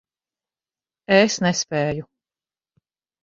Es nespēju.